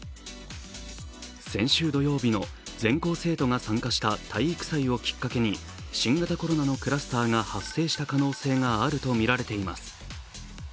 先週土曜日の全校生徒が参加した体育祭をきっかけに新型コロナのクラスターが発生した可能性があるとみられれています。